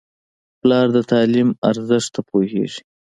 پلار د تعلیم ارزښت ته پوهېږي.